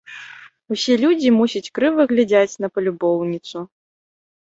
Усюды людзі, мусіць, крыва глядзяць на палюбоўніцу.